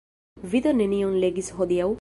Vi do nenion legis hodiaŭ?